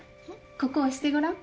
ここ押してごらん。